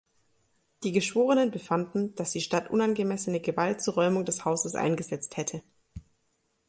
Die Geschworenen befanden, dass die Stadt unangemessene Gewalt zur Räumung des Hauses eingesetzt hätte.